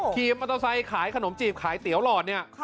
ขี่มอเตอร์ไซค์ขายขนมจีบขายเตี๋ยหลอดเนี่ย